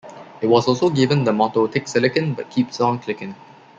It was also given the motto "takes a lickin' but it keeps on clickin'".